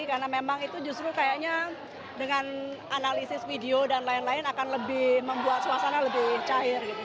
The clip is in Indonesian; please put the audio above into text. karena memang itu justru kayaknya dengan analisis video dan lain lain akan lebih membuat suasana lebih cair gitu